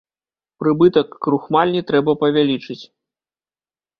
Прыбытак крухмальні трэба павялічыць.